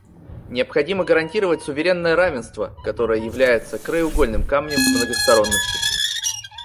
Необходимо гарантировать суверенное равенство, которое является краеугольным камнем многосторонности.